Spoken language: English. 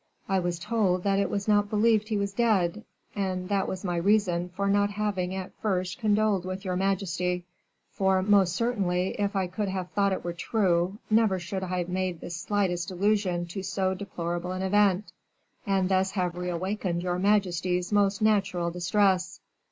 I was told that it was not believed he was dead, and that was my reason for not having at first condoled with your majesty; for, most certainly, if I could have thought it were true, never should I have made the slightest allusion to so deplorable an event, and thus have re awakened your majesty's most natural distress."